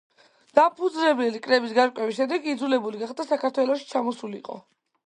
დამფუძნებელი კრების გარეკვის შემდეგ იძულებული გახდა საქართველოში ჩამოსულიყო.